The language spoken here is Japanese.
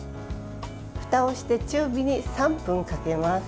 ふたをして中火に３分かけます。